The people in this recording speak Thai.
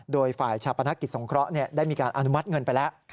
โดยฝ่ายชาปนกิจสงเคราะห์ได้มีการอนุมัติเงินไปแล้ว